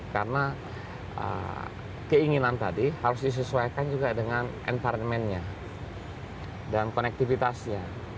karena keinginan tadi harus disesuaikan juga dengan environment nya dan konektivitasnya